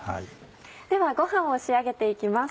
ではご飯を仕上げていきます。